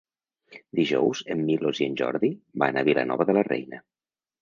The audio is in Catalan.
Dijous en Milos i en Jordi van a Vilanova de la Reina.